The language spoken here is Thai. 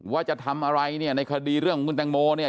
ว่าจะทำอะไรเนี่ยในคดีเรื่องของคุณแตงโมเนี่ย